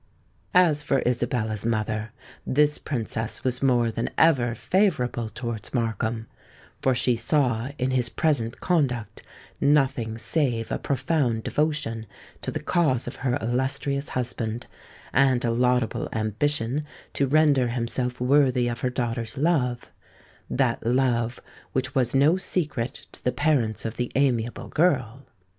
As for Isabella's mother, this Princess was more than ever favourable towards Markham; for she saw in his present conduct nothing save a profound devotion to the cause of her illustrious husband, and a laudable ambition to render himself worthy of her daughter's love—that love which was no secret to the parents of the amiable girl!